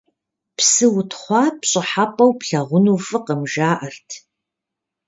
Псы утхъуа пщӀыхьэпӀэу плъагъуну фӀыкъым, жаӀэрт.